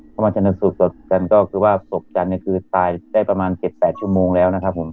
เข้ามาชนสูตรศพกันก็คือว่าศพจันทร์เนี่ยคือตายได้ประมาณ๗๘ชั่วโมงแล้วนะครับผม